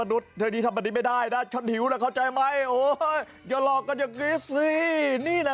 นี่ต้าวมนุษย์